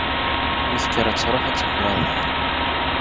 Mi tekker ad truḥ, ad taker aḍar.